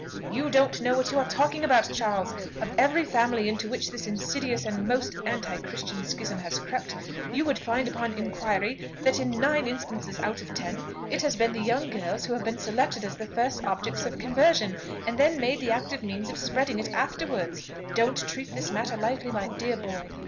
"You don't know what you are talking about, Charles! Of every family into which this insidious and most anti christian schism has crept, you would find, upon inquiry, that in nine instances out of ten, it has been the young girls who have been selected as the first objects of conversion, and then made the active means of spreading it afterwards. Don't treat this matter lightly, my dear boy!